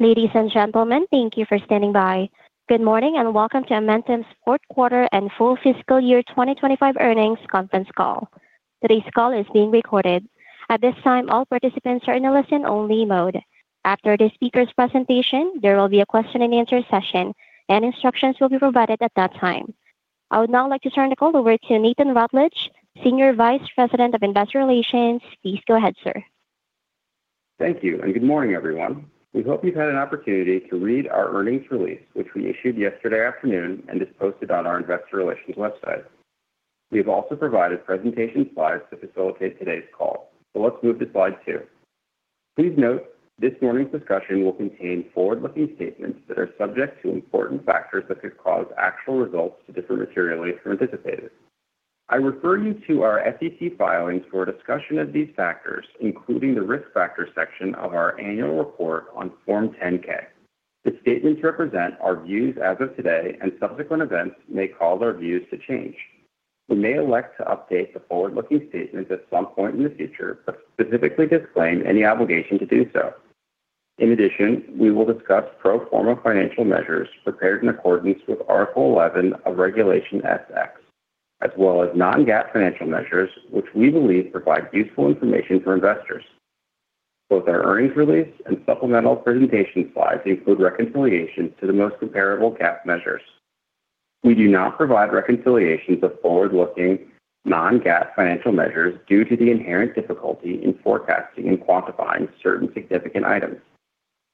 Ladies and gentlemen, thank you for standing by. Good morning and welcome to Amentum's fourth quarter and full fiscal year 2025 earnings Conference Call. Today's call is being recorded. At this time, all participants are in a listen-only mode. After the speaker's presentation, there will be a question-and-answer session, and instructions will be provided at that time. I would now like to turn the call over to Nathan Rutledge, Senior Vice President of Investor Relations. Please go ahead, sir. Thank you and good morning, everyone. We hope you've had an opportunity to read our earnings release, which we issued yesterday afternoon and is posted on our Investor Relations website. We have also provided presentation slides to facilitate today's call, so let's move to slide two. Please note this morning's discussion will contain forward-looking statements that are subject to important factors that could cause actual results to differ materially from anticipated. I refer you to our FET filings for a discussion of these factors, including the risk factor section of our annual report on Form 10-K. The statements represent our views as of today, and subsequent events may cause our views to change. We may elect to update the forward-looking statements at some point in the future, but specifically disclaim any obligation to do so. In addition, we will discuss pro forma financial measures prepared in accordance with Article 11 of Regulation S-X, as well as non-GAAP financial measures, which we believe provide useful information for investors. Both our earnings release and supplemental presentation slides include reconciliations to the most comparable GAAP measures. We do not provide reconciliations of forward-looking non-GAAP financial measures due to the inherent difficulty in forecasting and quantifying certain significant items.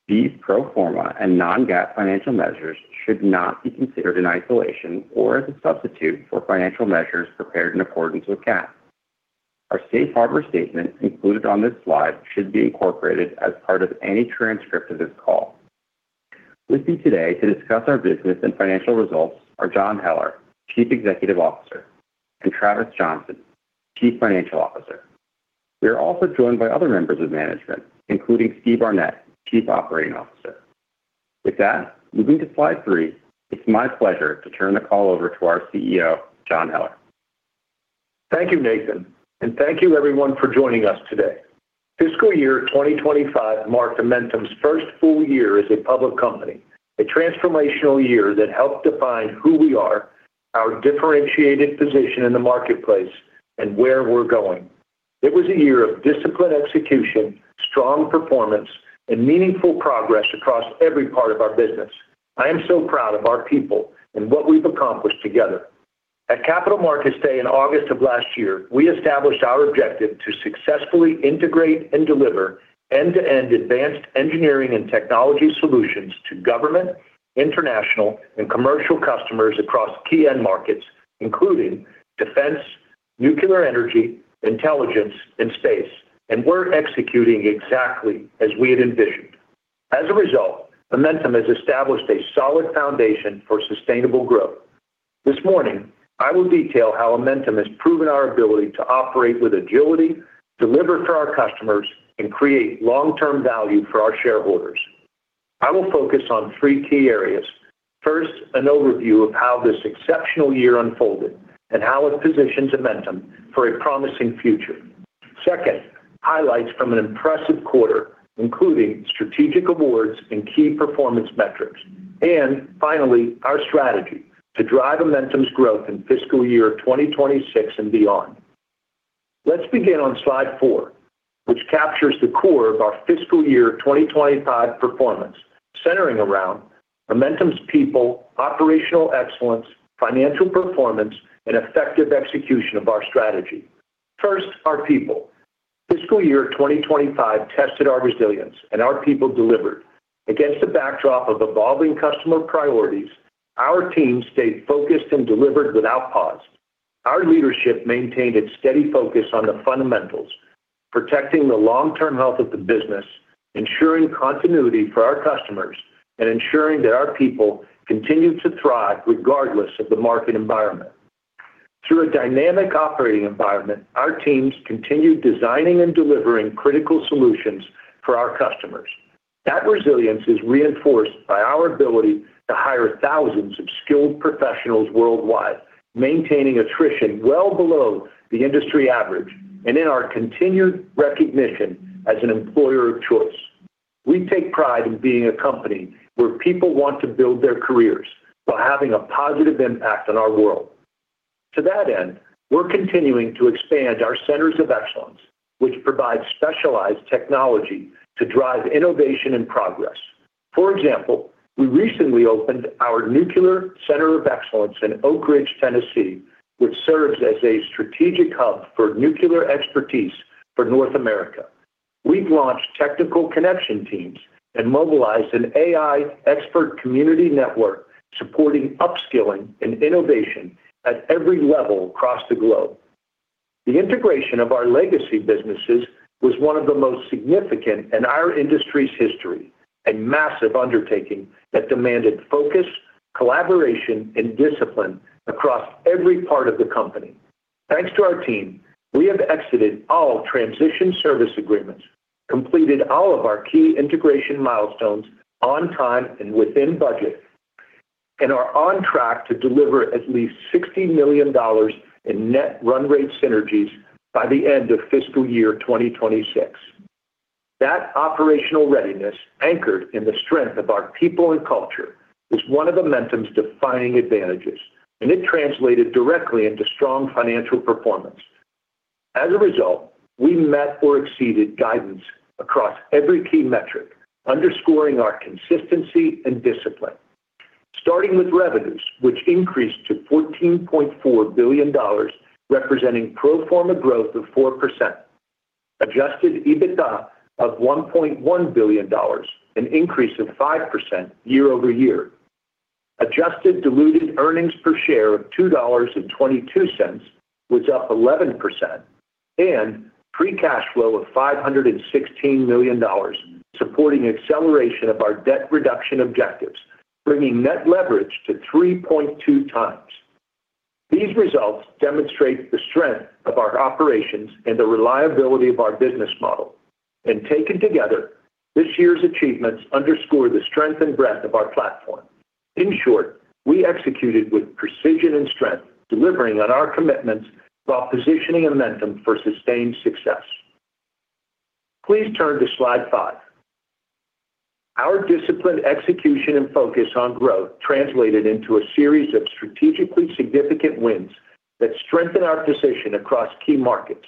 These pro forma and non-GAAP financial measures should not be considered in isolation or as a substitute for financial measures prepared in accordance with GAAP. Our safe harbor statement included on this slide should be incorporated as part of any transcript of this call. With me today to discuss our business and financial results are John Heller, Chief Executive Officer, and Travis Johnson, Chief Financial Officer. We are also joined by other members of management, including Steve Arnette, Chief Operating Officer. With that, moving to slide three, it's my pleasure to turn the call over to our CEO, John Heller. Thank you, Nathan, and thank you, everyone, for joining us today. Fiscal year 2025 marked Amentum's first full year as a public company, a transformational year that helped define who we are, our differentiated position in the marketplace, and where we're going. It was a year of disciplined execution, strong performance, and meaningful progress across every part of our business. I am so proud of our people and what we've accomplished together. At Capital Markets Day in August of last year, we established our objective to successfully integrate and deliver end-to-end advanced engineering and technology solutions to government, international, and commercial customers across key end markets, including defense, nuclear energy, intelligence, and space, and we're executing exactly as we had envisioned. As a result, Amentum has established a solid foundation for sustainable growth. This morning, I will detail how Amentum has proven our ability to operate with agility, deliver for our customers, and create long-term value for our shareholders. I will focus on three key areas. First, an overview of how this exceptional year unfolded and how it positions Amentum for a promising future. Second, highlights from an impressive quarter, including strategic awards and key performance metrics. And finally, our strategy to drive Amentum's growth in fiscal year 2026 and beyond. Let's begin on slide four, which captures the core of our fiscal year 2025 performance, centering around Amentum's people, operational excellence, financial performance, and effective execution of our strategy. First, our people. Fiscal year 2025 tested our resilience, and our people delivered. Against the backdrop of evolving customer priorities, our team stayed focused and delivered without pause. Our leadership maintained its steady focus on the fundamentals, protecting the long-term health of the business, ensuring continuity for our customers, and ensuring that our people continue to thrive regardless of the market environment. Through a dynamic operating environment, our teams continued designing and delivering critical solutions for our customers. That resilience is reinforced by our ability to hire thousands of skilled professionals worldwide, maintaining attrition well below the industry average, and in our continued recognition as an employer of choice. We take pride in being a company where people want to build their careers while having a positive impact on our world. To that end, we're continuing to expand our centers of excellence, which provide specialized technology to drive innovation and progress. For example, we recently opened our Nuclear Center of Excellence in Oak Ridge, Tennessee, which serves as a strategic hub for nuclear expertise for North America. We've launched technical connection teams and mobilized an AI expert community network supporting upskilling and innovation at every level across the globe. The integration of our legacy businesses was one of the most significant in our industry's history, a massive undertaking that demanded focus, collaboration, and discipline across every part of the company. Thanks to our team, we have exited all transition service agreements, completed all of our key integration milestones on time and within budget, and are on track to deliver at least $60 million in net run rate synergies by the end of fiscal year 2026. That operational readiness, anchored in the strength of our people and culture, is one of Amentum's defining advantages, and it translated directly into strong financial performance. As a result, we met or exceeded guidance across every key metric, underscoring our consistency and discipline. Starting with revenues, which increased to $14.4 billion, representing pro forma growth of 4%, adjusted EBITDA of $1.1 billion, an increase of 5% year-over-year, adjusted diluted earnings per share of $2.22, which is up 11%, and free cash flow of $516 million, supporting acceleration of our debt reduction objectives, bringing net leverage to 3.2 times. These results demonstrate the strength of our operations and the reliability of our business model. Taken together, this year's achievements underscore the strength and breadth of our platform. In short, we executed with precision and strength, delivering on our commitments while positioning Amentum for sustained success. Please turn to slide five. Our disciplined execution and focus on growth translated into a series of strategically significant wins that strengthen our position across key markets.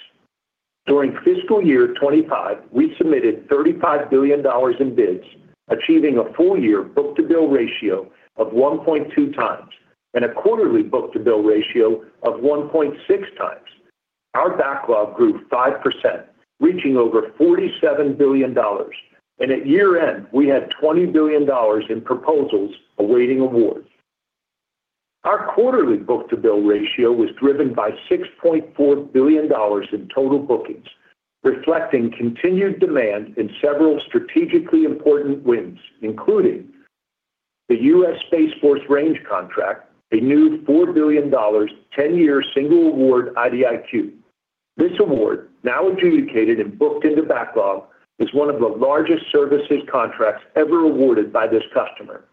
During fiscal year 25, we submitted $35 billion in bids, achieving a full-year book-to-bill ratio of 1.2 times and a quarterly book-to-bill ratio of 1.6 times. Our backlog grew 5%, reaching over $47 billion, and at year-end, we had $20 billion in proposals awaiting awards. Our quarterly book-to-bill ratio was driven by $6.4 billion in total bookings, reflecting continued demand in several strategically important wins, including the US Space Force Range contract, a new $4 billion 10-year single award IDIQ. This award, now adjudicated and booked into backlog, is one of the largest services contracts ever awarded by this customer.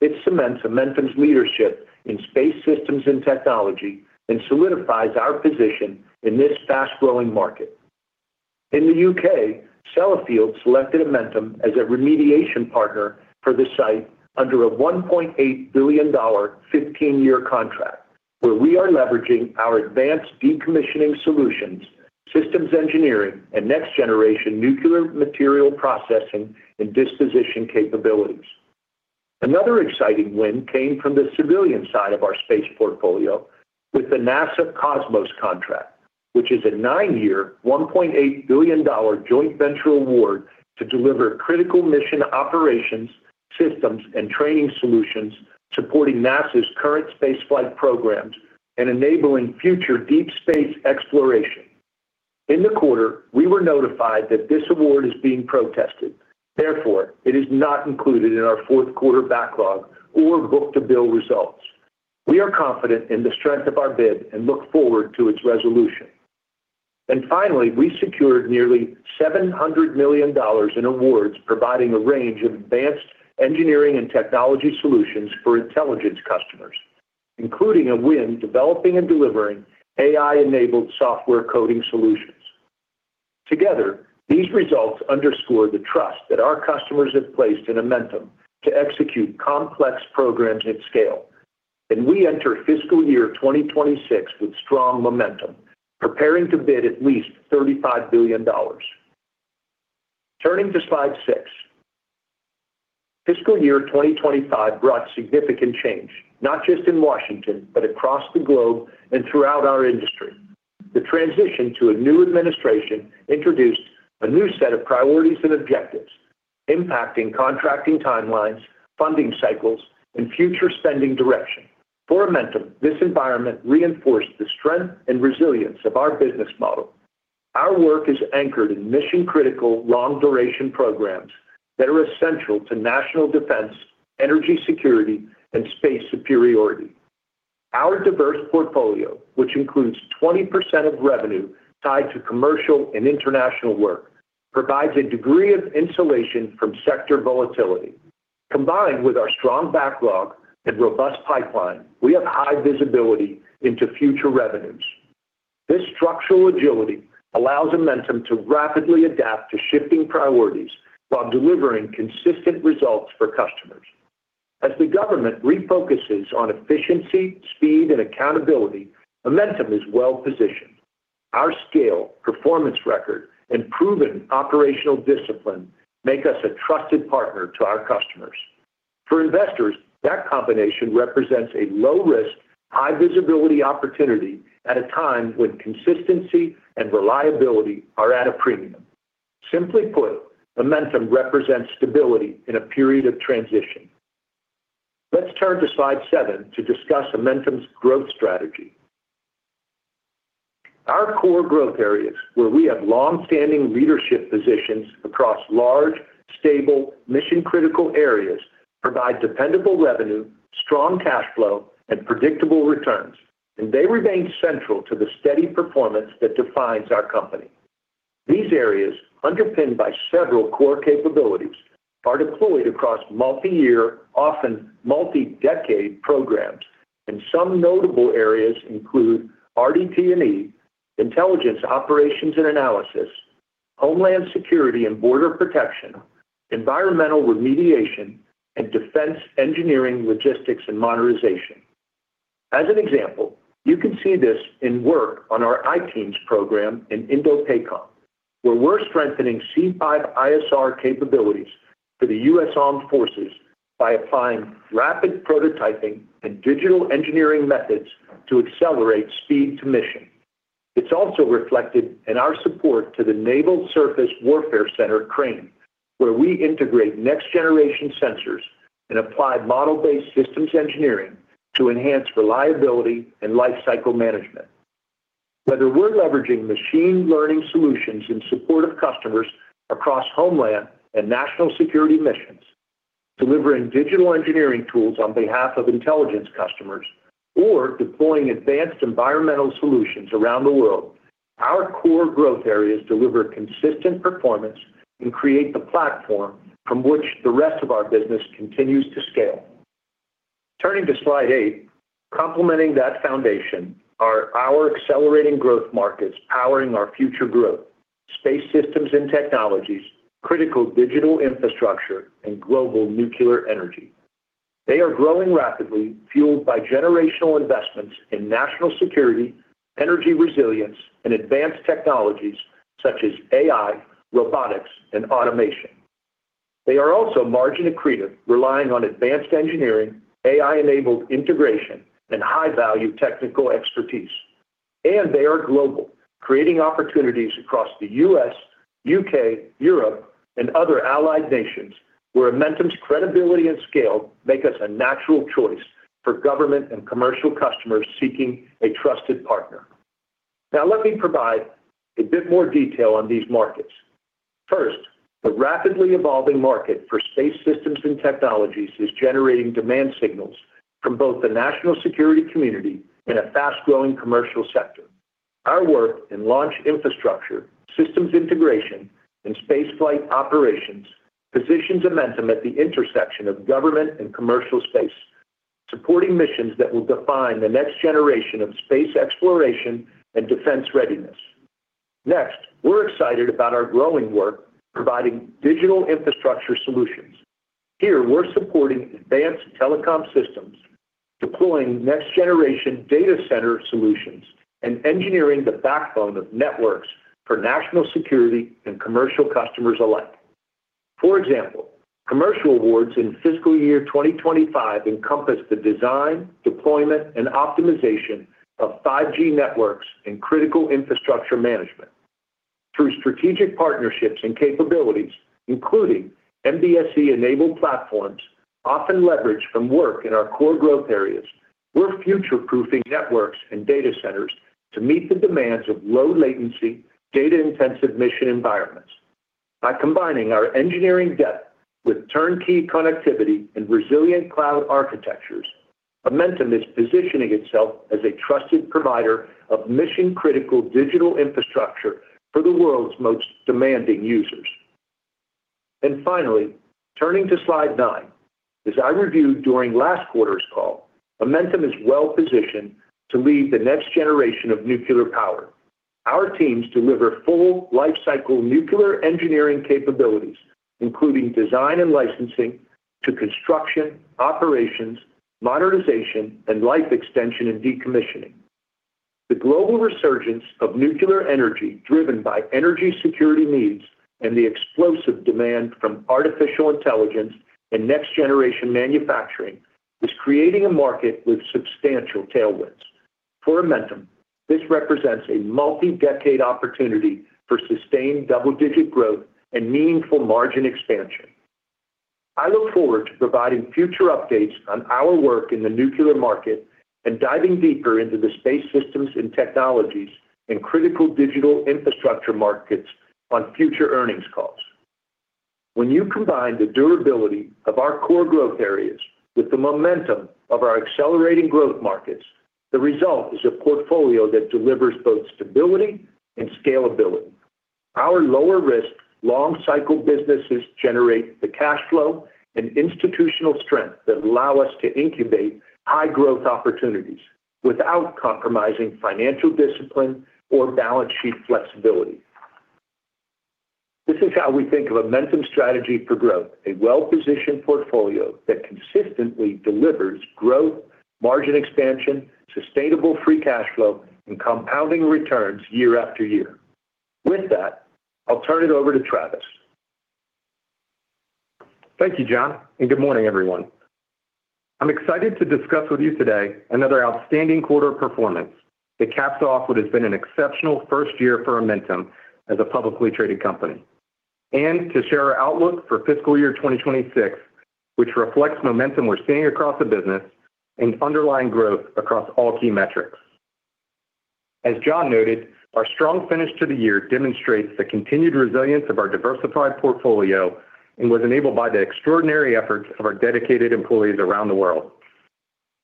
It cements Amentum's leadership in space systems and technology and solidifies our position in this fast-growing market. In the UK, Cellifield selected Amentum as a remediation partner for the site under a $1.8 billion 15-year contract, where we are leveraging our advanced decommissioning solutions, systems engineering, and next-generation nuclear material processing and disposition capabilities. Another exciting win came from the civilian side of our space portfolio with the NASA Cosmos contract, which is a nine-year, $1.8 billion joint venture award to deliver critical mission operations, systems, and training solutions supporting NASA's current spaceflight programs and enabling future deep space exploration. In the quarter, we were notified that this award is being protested. Therefore, it is not included in our fourth quarter backlog or book-to-bill results. We are confident in the strength of our bid and look forward to its resolution. And finally, we secured nearly $700 million in awards, providing a range of advanced engineering and technology solutions for intelligence customers, including a win developing and delivering AI-enabled software coding solutions. Together, these results underscore the trust that our customers have placed in Amentum to execute complex programs at scale, and we enter fiscal year 2026 with strong momentum, preparing to bid at least $35 billion. Turning to slide six, fiscal year 2025 brought significant change, not just in Washington, but across the globe and throughout our industry. The transition to a new administration introduced a new set of priorities and objectives, impacting contracting timelines, funding cycles, and future spending direction. For Amentum, this environment reinforced the strength and resilience of our business model. Our work is anchored in mission-critical long-duration programs that are essential to national defense, energy security, and space superiority. Our diverse portfolio, which includes 20% of revenue tied to commercial and international work, provides a degree of insulation from sector volatility. Combined with our strong backlog and robust pipeline, we have high visibility into future revenues. This structural agility allows Amentum to rapidly adapt to shifting priorities while delivering consistent results for customers. As the government refocuses on efficiency, speed, and accountability, Amentum is well positioned. Our scale, performance record, and proven operational discipline make us a trusted partner to our customers. For investors, that combination represents a low-risk, high-visibility opportunity at a time when consistency and reliability are at a premium. Simply put, Amentum represents stability in a period of transition. Let's turn to slide seven to discuss Amentum's growth strategy. Our core growth areas, where we have long-standing leadership positions across large, stable, mission-critical areas, provide dependable revenue, strong cash flow, and predictable returns, and they remain central to the steady performance that defines our company. These areas, underpinned by several core capabilities, are deployed across multi-year, often multi-decade programs, and some notable areas include RDT&E, intelligence operations and analysis, homeland security and border protection, environmental remediation, and defense engineering, logistics, and modernization. As an example, you can see this in work on our ITEAMS program in Indo-PACOM, where we're strengthening C5 ISR capabilities for the U.S. Armed Forces by applying rapid prototyping and digital engineering methods to accelerate speed to mission. It's also reflected in our support to the Naval Surface Warfare Center Crane, where we integrate next-generation sensors and apply model-based systems engineering to enhance reliability and life cycle management. Whether we're leveraging machine learning solutions in support of customers across homeland and national security missions, delivering digital engineering tools on behalf of intelligence customers, or deploying advanced environmental solutions around the world, our core growth areas deliver consistent performance and create the platform from which the rest of our business continues to scale. Turning to slide eight, complementing that foundation are our accelerating growth markets powering our future growth: space systems and technologies, critical digital infrastructure, and global nuclear energy. They are growing rapidly, fueled by generational investments in national security, energy resilience, and advanced technologies such as AI, robotics, and automation. They are also margin accretive, relying on advanced engineering, AI-enabled integration, and high-value technical expertise. And they are global, creating opportunities across the U.S., UK, Europe, and other allied nations where Amentum's credibility and scale make us a natural choice for government and commercial customers seeking a trusted partner. Now, let me provide a bit more detail on these markets. First, the rapidly evolving market for space systems and technologies is generating demand signals from both the national security community and a fast-growing commercial sector. Our work in launch infrastructure, systems integration, and spaceflight operations positions Amentum at the intersection of government and commercial space, supporting missions that will define the next generation of space exploration and defense readiness. Next, we're excited about our growing work providing digital infrastructure solutions. Here, we're supporting advanced telecom systems, deploying next-generation data center solutions, and engineering the backbone of networks for national security and commercial customers alike. For example, commercial awards in fiscal year 2025 encompass the design, deployment, and optimization of 5G networks and critical infrastructure management. Through strategic partnerships and capabilities, including MBSE-enabled platforms, often leveraged from work in our core growth areas, we're future-proofing networks and data centers to meet the demands of low-latency, data-intensive mission environments. By combining our engineering depth with turnkey connectivity and resilient cloud architectures, Amentum is positioning itself as a trusted provider of mission-critical digital infrastructure for the world's most demanding users. And finally, turning to slide nine, as I reviewed during last quarter's call, Amentum is well positioned to lead the next generation of nuclear power. Our teams deliver full life cycle nuclear engineering capabilities, including design and licensing to construction, operations, modernization, and life extension and decommissioning. The global resurgence of nuclear energy driven by energy security needs and the explosive demand from artificial intelligence and next-generation manufacturing is creating a market with substantial tailwinds. For Amentum, this represents a multi-decade opportunity for sustained double-digit growth and meaningful margin expansion. I look forward to providing future updates on our work in the nuclear market and diving deeper into the space systems and technologies and critical digital infrastructure markets on future earnings calls. When you combine the durability of our core growth areas with the momentum of our accelerating growth markets, the result is a portfolio that delivers both stability and scalability. Our lower-risk, long-cycle businesses generate the cash flow and institutional strength that allow us to incubate high-growth opportunities without compromising financial discipline or balance sheet flexibility. This is how we think of Amentum's strategy for growth: a well-positioned portfolio that consistently delivers growth, margin expansion, sustainable free cash flow, and compounding returns year after year. With that, I'll turn it over to Travis. Thank you, John, and good morning, everyone. I'm excited to discuss with you today another outstanding quarter of performance that caps off what has been an exceptional first year for Amentum as a publicly traded company and to share our outlook for fiscal year 2026, which reflects momentum we're seeing across the business and underlying growth across all key metrics. As John noted, our strong finish to the year demonstrates the continued resilience of our diversified portfolio and was enabled by the extraordinary efforts of our dedicated employees around the world.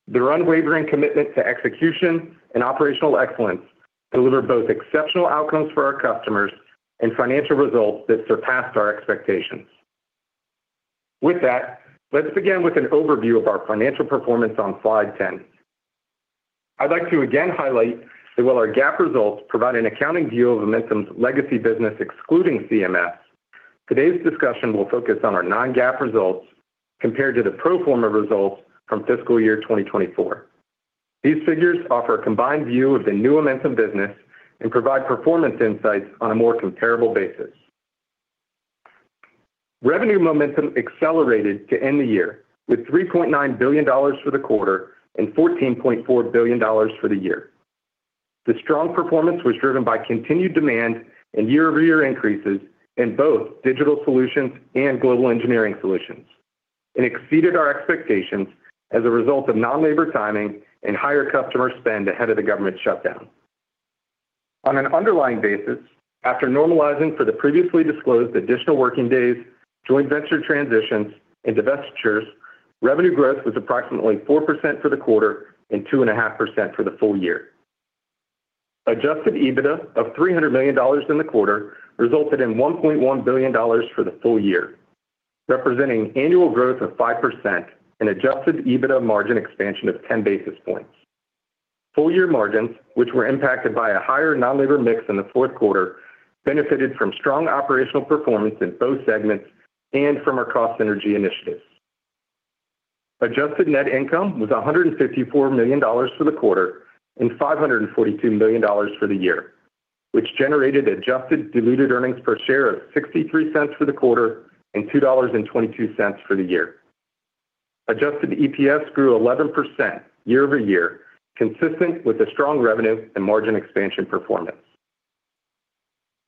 Their unwavering commitment to execution and operational excellence delivered both exceptional outcomes for our customers and financial results that surpassed our expectations. With that, let's begin with an overview of our financial performance on slide 10. I'd like to again highlight that while our GAAP results provide an accounting view of Amentum's legacy business excluding CMS, today's discussion will focus on our non-GAAP results compared to the pro forma results from fiscal year 2024. These figures offer a combined view of the new Amentum business and provide performance insights on a more comparable basis. Revenue momentum accelerated to end the year with $3.9 billion for the quarter and $14.4 billion for the year. The strong performance was driven by continued demand and year-over-year increases in both digital solutions and global engineering solutions and exceeded our expectations as a result of non-labor timing and higher customer spend ahead of the government shutdown. On an underlying basis, after normalizing for the previously disclosed additional working days, joint venture transitions, and divestitures, revenue growth was approximately 4% for the quarter and 2.5% for the full year. Adjusted EBITDA of $300 million in the quarter resulted in $1.1 billion for the full year, representing annual growth of 5% and adjusted EBITDA margin expansion of 10 basis points. Full-year margins, which were impacted by a higher non-labor mix in the fourth quarter, benefited from strong operational performance in both segments and from our cost synergy initiatives. Adjusted net income was $154 million for the quarter and $542 million for the year, which generated adjusted diluted earnings per share of $0.63 for the quarter and $2.22 for the year. Adjusted EPS grew 11% year-over-year, consistent with the strong revenue and margin expansion performance.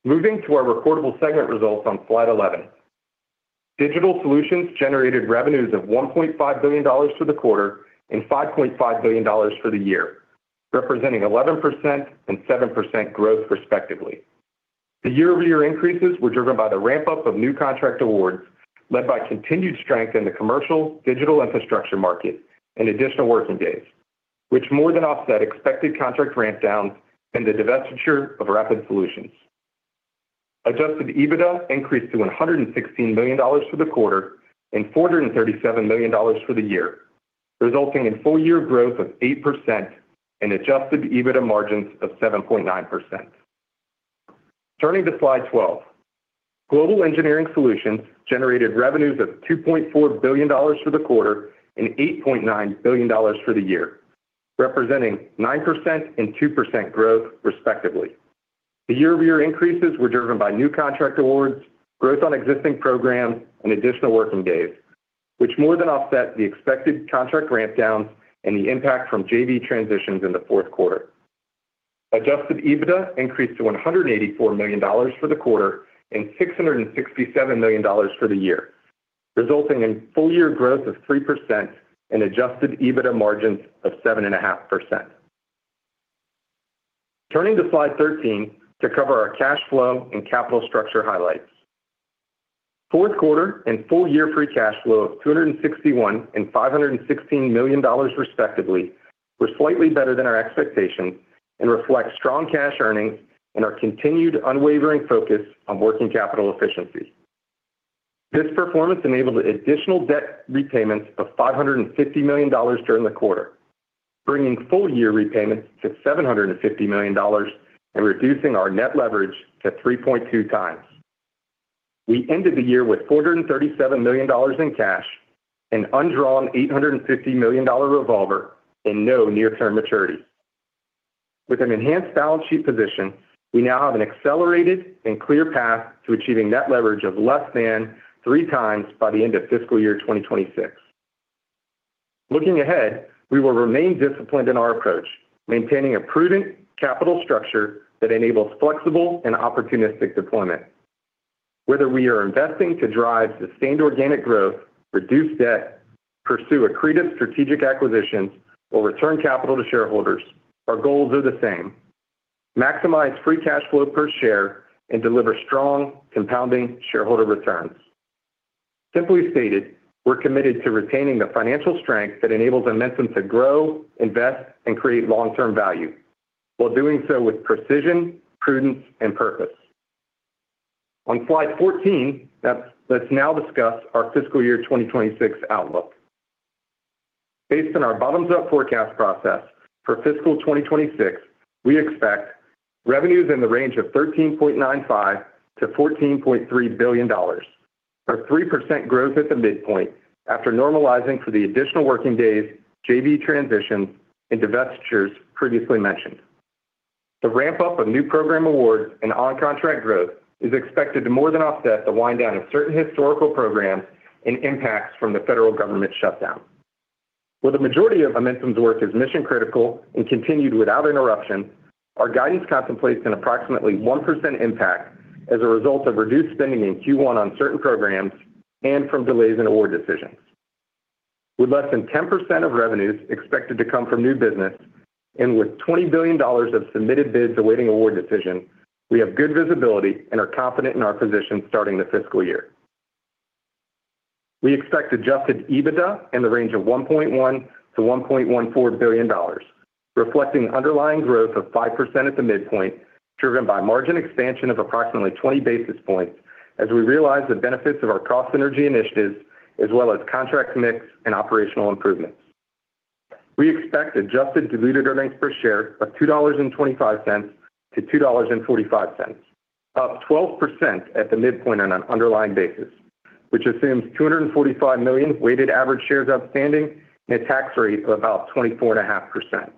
Moving to our recordable segment results on slide 11, digital solutions generated revenues of $1.5 billion for the quarter and $5.5 billion for the year, representing 11% and 7% growth respectively. The year-over-year increases were driven by the ramp-up of new contract awards led by continued strength in the commercial digital infrastructure market and additional working days, which more than offset expected contract ramp-downs and the divestiture of rapid solutions. Adjusted EBITDA increased to $116 million for the quarter and $437 million for the year, resulting in full-year growth of 8% and adjusted EBITDA margins of 7.9%. Turning to slide 12, global engineering solutions generated revenues of $2.4 billion for the quarter and $8.9 billion for the year, representing 9% and 2% growth respectively. The year-over-year increases were driven by new contract awards, growth on existing programs, and additional working days, which more than offset the expected contract ramp-downs and the impact from JV transitions in the fourth quarter. Adjusted EBITDA increased to $184 million for the quarter and $667 million for the year, resulting in full-year growth of 3% and adjusted EBITDA margins of 7.5%. Turning to slide 13 to cover our cash flow and capital structure highlights. Fourth quarter and full-year free cash flow of $261 and $516 million respectively were slightly better than our expectations and reflect strong cash earnings and our continued unwavering focus on working capital efficiency. This performance enabled additional debt repayments of $550 million during the quarter, bringing full-year repayments to $750 million and reducing our net leverage to 3.2 times. We ended the year with $437 million in cash and undrawn $850 million revolver and no near-term maturities. With an enhanced balance sheet position, we now have an accelerated and clear path to achieving net leverage of less than three times by the end of fiscal year 2026. Looking ahead, we will remain disciplined in our approach, maintaining a prudent capital structure that enables flexible and opportunistic deployment. Whether we are investing to drive sustained organic growth, reduce debt, pursue accretive strategic acquisitions, or return capital to shareholders, our goals are the same: maximize free cash flow per share and deliver strong, compounding shareholder returns. Simply stated, we're committed to retaining the financial strength that enables Amentum to grow, invest, and create long-term value while doing so with precision, prudence, and purpose. On slide 14, let's now discuss our fiscal year 2026 outlook. Based on our bottoms-up forecast process for fiscal 2026, we expect revenues in the range of $13.95-$14.3 billion, a 3% growth at the midpoint after normalizing for the additional working days, JV transitions, and divestitures previously mentioned. The ramp-up of new program awards and on-contract growth is expected to more than offset the wind-down of certain historical programs and impacts from the federal government shutdown. While the majority of Amentum's work is mission-critical and continued without interruption, our guidance contemplates an approximately 1% impact as a result of reduced spending in Q1 on certain programs and from delays in award decisions. With less than 10% of revenues expected to come from new business and with $20 billion of submitted bids awaiting award decision, we have good visibility and are confident in our position starting the fiscal year. We expect adjusted EBITDA in the range of $1.1 billion-$1.14 billion, reflecting underlying growth of 5% at the midpoint driven by margin expansion of approximately 20 basis points as we realize the benefits of our cost synergy initiatives as well as contract mix and operational improvements. We expect adjusted diluted earnings per share of $2.25-$2.45, up 12% at the midpoint on an underlying basis, which assumes $245 million weighted average shares outstanding and a tax rate of about 24.5%.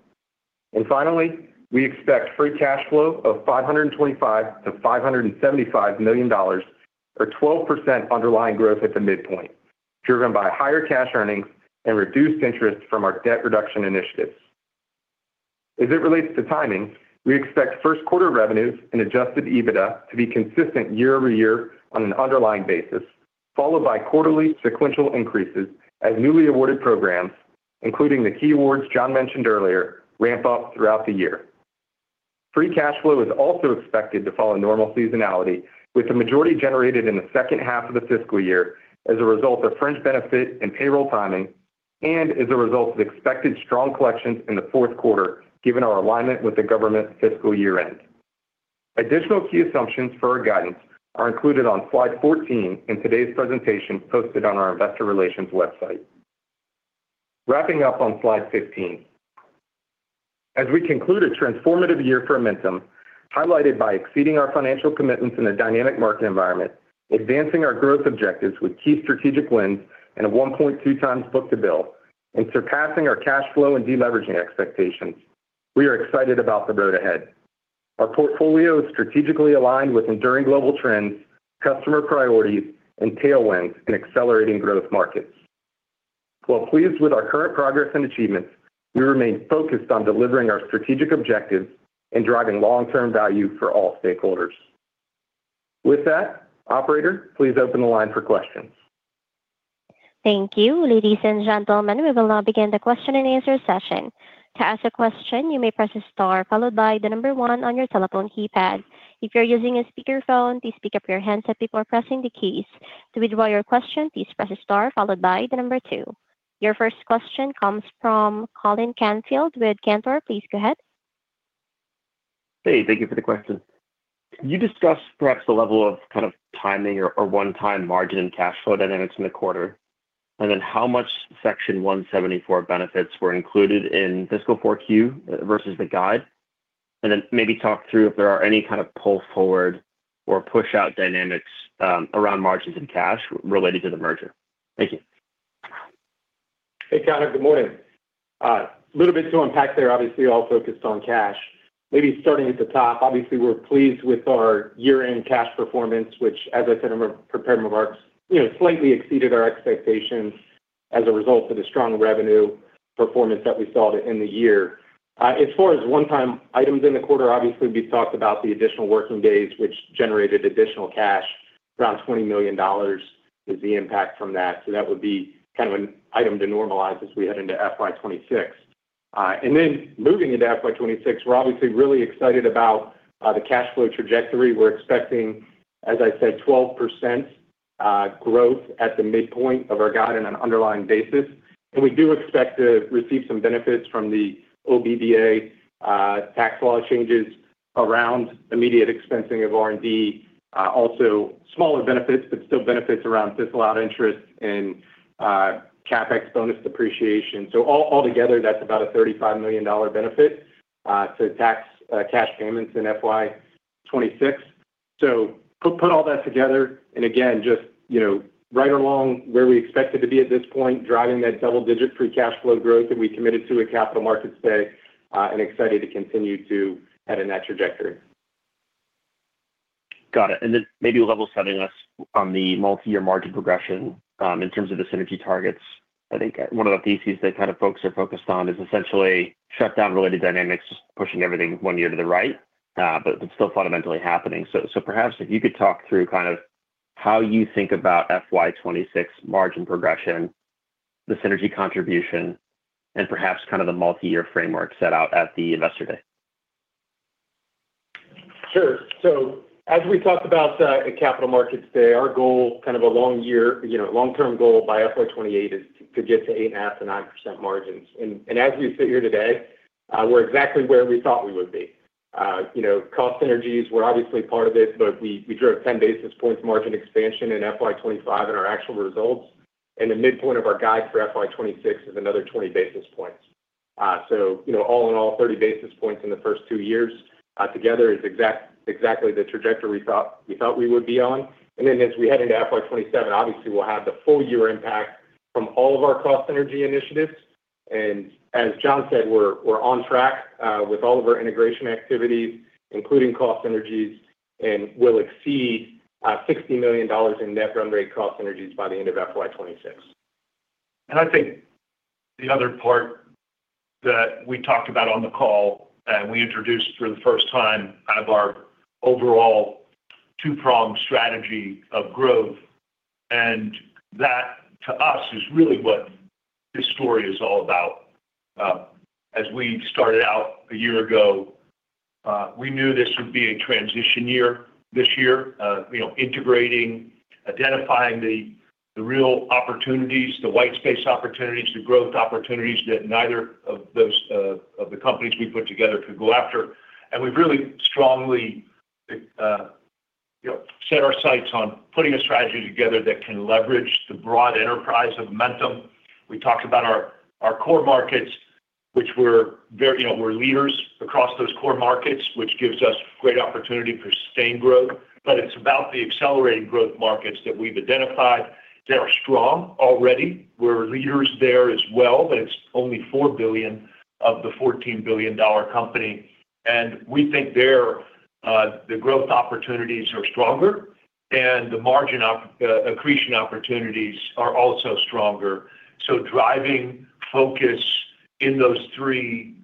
And finally, we expect free cash flow of $525 million-$575 million, or 12% underlying growth at the midpoint, driven by higher cash earnings and reduced interest from our debt reduction initiatives. As it relates to timing, we expect first quarter revenues and adjusted EBITDA to be consistent year-over-year on an underlying basis, followed by quarterly sequential increases as newly awarded programs, including the key awards John mentioned earlier, ramp up throughout the year. Free cash flow is also expected to follow normal seasonality, with the majority generated in the second half of the fiscal year as a result of fringe benefit and payroll timing and as a result of expected strong collections in the fourth quarter, given our alignment with the government fiscal year-end. Additional key assumptions for our guidance are included on slide 14 in today's presentation posted on our investor relations website. Wrapping up on slide 15, as we conclude a transformative year for Amentum, highlighted by exceeding our financial commitments in a dynamic market environment, advancing our growth objectives with key strategic wins and a 1.2 times book to bill, and surpassing our cash flow and deleveraging expectations, we are excited about the road ahead. Our portfolio is strategically aligned with enduring global trends, customer priorities, and tailwinds in accelerating growth markets. While pleased with our current progress and achievements, we remain focused on delivering our strategic objectives and driving long-term value for all stakeholders. With that, Operator, please open the line for questions. Thank you. Ladies and gentlemen, we will now begin the question and answer session. To ask a question, you may press the star followed by the number one on your telephone keypad. If you're using a speakerphone, please speak up your handset before pressing the keys. To withdraw your question, please press the star followed by the number two. Your first question comes from Colin Canfield with Cantor. Please go ahead. Hey, thank you for the question. Can you discuss perhaps the level of kind of timing or one-time margin and cash flow dynamics in the quarter? And then how much Section 174 benefits were included in fiscal 4Q versus the guide? And then maybe talk through if there are any kind of pull-forward or push-out dynamics around margins and cash related to the merger. Thank you. Hey, John, good morning. A little bit to unpack there, obviously, all focused on cash. Maybe starting at the top, obviously, we're pleased with our year-end cash performance, which, as I said in my prepared remarks, slightly exceeded our expectations as a result of the strong revenue performance that we saw in the year. As far as one-time items in the quarter, obviously, we've talked about the additional working days, which generated additional cash, around $20 million is the impact from that. So that would be kind of an item to normalize as we head into FY26. And then moving into FY26, we're obviously really excited about the cash flow trajectory. We're expecting, as I said, 12% growth at the midpoint of our guide on an underlying basis. And we do expect to receive some benefits from the OBDA tax law changes around immediate expensing of R&D. Also, smaller benefits, but still benefits around disallowed interest and CapEx bonus depreciation. So altogether, that's about a $35 million benefit to tax cash payments in FY26. So put all that together. And again, just right along where we expect it to be at this point, driving that double-digit free cash flow growth that we committed to at Capital Markets today and excited to continue to head in that trajectory. Got it. And then maybe level-setting us on the multi-year margin progression in terms of the synergy targets. I think one of the theses that kind of folks are focused on is essentially shutdown-related dynamics, just pushing everything one year to the right, but still fundamentally happening. So perhaps if you could talk through kind of how you think about FY26 margin progression, the synergy contribution, and perhaps kind of the multi-year framework set out at the investor day. Sure. So as we talked about at Capital Markets today, our goal, kind of a long-term goal by FY28, is to get to 8.5%-9% margins. And as we sit here today, we're exactly where we thought we would be. Cost synergies were obviously part of it, but we drove 10 basis points margin expansion in FY25 in our actual results. And the midpoint of our guide for FY26 is another 20 basis points. So all in all, 30 basis points in the first two years together is exactly the trajectory we thought we would be on. And then as we head into FY27, obviously, we'll have the full-year impact from all of our cost synergy initiatives. And as John said, we're on track with all of our integration activities, including cost synergies, and we'll exceed $60 million in net run rate cost synergies by the end of FY26. And I think the other part that we talked about on the call, we introduced for the first time kind of our overall two-pronged strategy of growth. And that, to us, is really what this story is all about. As we started out a year ago, we knew this would be a transition year this year, integrating, identifying the real opportunities, the white space opportunities, the growth opportunities that neither of the companies we put together could go after. And we've really strongly set our sights on putting a strategy together that can leverage the broad enterprise of Amentum. We talked about our core markets, which we're leaders across those core markets, which gives us great opportunity for sustained growth. But it's about the accelerating growth markets that we've identified that are strong already. We're leaders there as well, but it's only $4 billion of the $14 billion company. And we think there the growth opportunities are stronger, and the margin accretion opportunities are also stronger. So driving focus in those three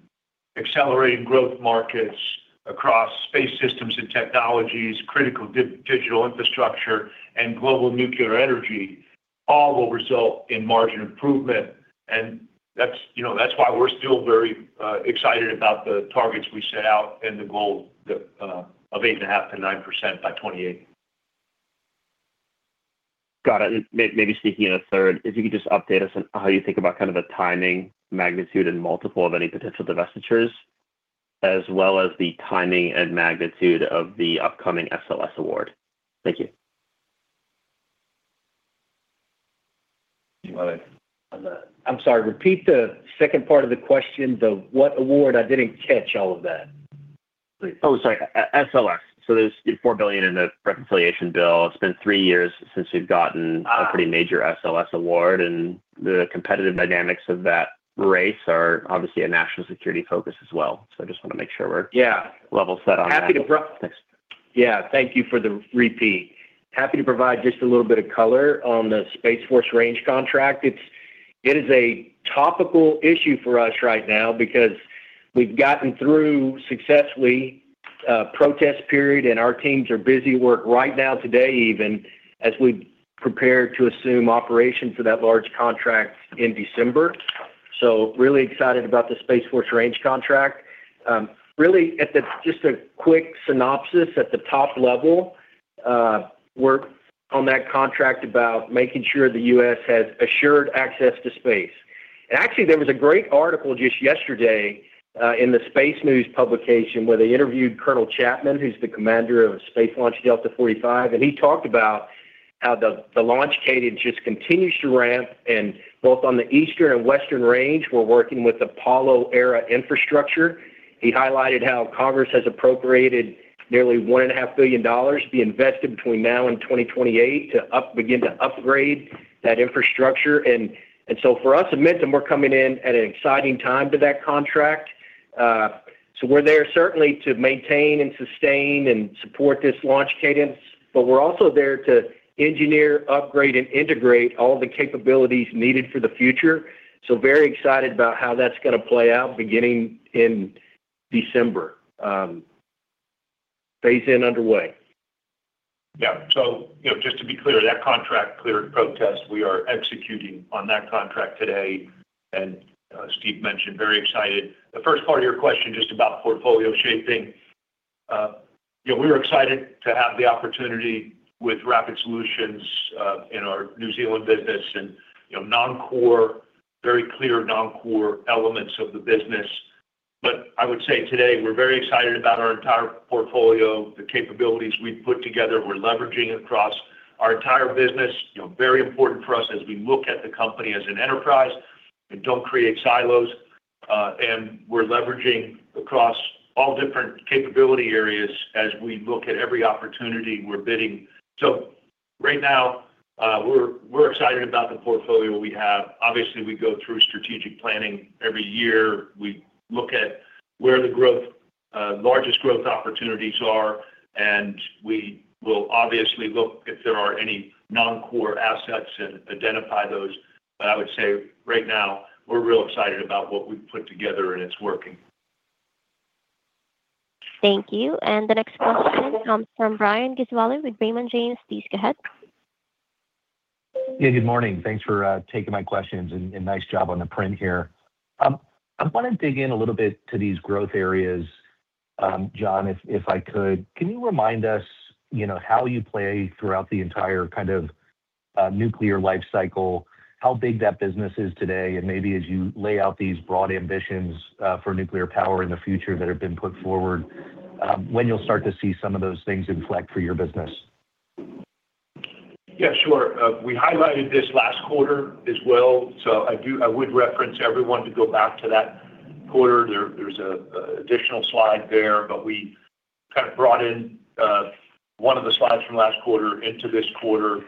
accelerating growth markets across space systems and technologies, critical digital infrastructure, and global nuclear energy, all will result in margin improvement. And that's why we're still very excited about the targets we set out and the goal of 8.5%-9% by '28. Got it. And maybe speaking in a third, if you could just update us on how you think about kind of the timing, magnitude, and multiple of any potential divestitures, as well as the timing and magnitude of the upcoming SLS award. Thank you. I'm sorry. Repeat the second part of the question, the what award? I didn't catch all of that. Oh, sorry. SLS. So there's $4 billion in the reconciliation bill. It's been three years since we've gotten a pretty major SLS award. And the competitive dynamics of that race are obviously a national security focus as well. So I just want to make sure we're level set on that. Yeah. Thank you for the repeat. Happy to provide just a little bit of color on the Space Force range contract. It is a topical issue for us right now because we've gotten through successfully a protest period, and our teams are busy work right now today, even as we prepare to assume operations for that large contract in December. So really excited about the Space Force range contract. Really, just a quick synopsis at the top level, we're on that contract about making sure the U.S. has assured access to space. And actually, there was a great article just yesterday in the Space News publication where they interviewed Colonel Chapman, who's the commander of Space Launch Delta 45. And he talked about how the launch cadence just continues to ramp. And both on the eastern and western range, we're working with Apollo-era infrastructure. He highlighted how Congress has appropriated nearly $1.5 billion to be invested between now and 2028 to begin to upgrade that infrastructure. And so for us at Amentum, we're coming in at an exciting time to that contract. So we're there certainly to maintain and sustain and support this launch cadence. But we're also there to engineer, upgrade, and integrate all the capabilities needed for the future. So very excited about how that's going to play out beginning in December. Phase in underway. Yeah. So just to be clear, that contract cleared protest. We are executing on that contract today. And Steve mentioned, very excited. The first part of your question just about portfolio shaping, we were excited to have the opportunity with Rapid Solutions in our New Zealand business and very clear non-core elements of the business. But I would say today, we're very excited about our entire portfolio, the capabilities we've put together. We're leveraging across our entire business. Very important for us as we look at the company as an enterprise and don't create silos. And we're leveraging across all different capability areas as we look at every opportunity we're bidding. So right now, we're excited about the portfolio we have. Obviously, we go through strategic planning every year. We look at where the largest growth opportunities are. And we will obviously look if there are any non-core assets and identify those. But I would say right now, we're real excited about what we've put together, and it's working. Thank you. And the next question comes from Brian Giswale with Raymond James. Please go ahead. Hey, good morning. Thanks for taking my questions and nice job on the print here. I want to dig in a little bit to these growth areas, John, if I could. Can you remind us how you play throughout the entire kind of nuclear life cycle, how big that business is today, and maybe as you lay out these broad ambitions for nuclear power in the future that have been put forward, when you'll start to see some of those things inflect for your business? Yeah, sure. We highlighted this last quarter as well. So I would reference everyone to go back to that quarter. There's an additional slide there. But we kind of brought in one of the slides from last quarter into this quarter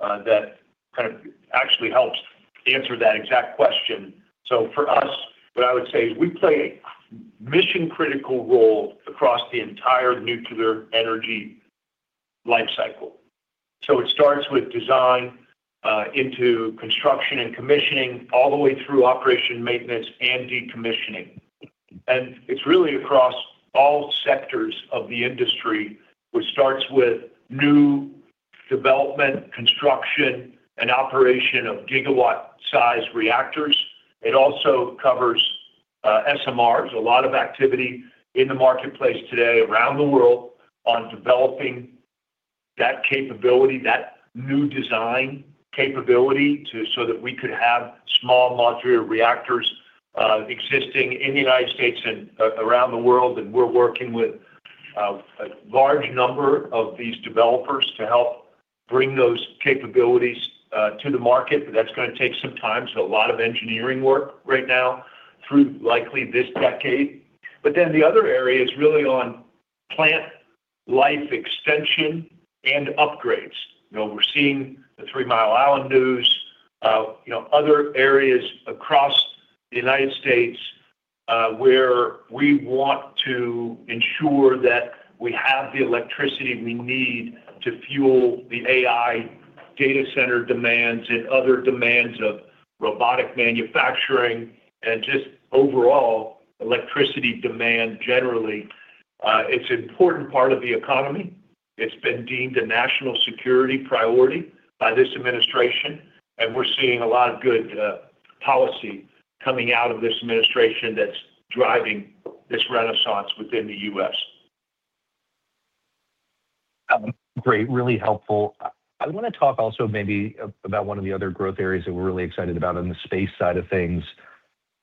that kind of actually helps answer that exact question. So for us, what I would say is we play a mission-critical role across the entire nuclear energy life cycle. So it starts with design into construction and commissioning, all the way through operation, maintenance, and decommissioning. And it's really across all sectors of the industry, which starts with new development, construction, and operation of gigawatt-sized reactors. It also covers SMRs, a lot of activity in the marketplace today around the world on developing that capability, that new design capability, so that we could have small modular reactors existing in the United States and around the world. And we're working with a large number of these developers to help bring those capabilities to the market. But that's going to take some time. So a lot of engineering work right now through likely this decade. But then the other area is really on plant life extension and upgrades. We're seeing the Three Mile Island news, other areas across the United States where we want to ensure that we have the electricity we need to fuel the AI data center demands and other demands of robotic manufacturing. And just overall, electricity demand generally, it's an important part of the economy. It's been deemed a national security priority by this administration. And we're seeing a lot of good policy coming out of this administration that's driving this renaissance within the U.S. Great. Really helpful. I want to talk also maybe about one of the other growth areas that we're really excited about on the space side of things.